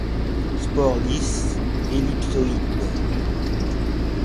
Spores lisses, ellipsoïdes.